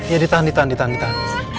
ya ditahan ditahan ditahan